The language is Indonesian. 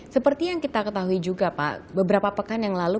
seperti yang kita ketahui juga pak beberapa pekan yang lalu